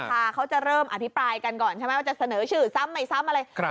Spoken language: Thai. สาธาเขาจะเริ่มอธิบายกันก่อนจะเสนอชื่อซ้ำไม่ซ้ำอะไร